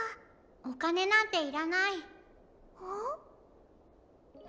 おかねなんていらない。